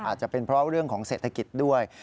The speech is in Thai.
อาจจะเป็นเพราะเรื่องของเศรษฐกิจด้วย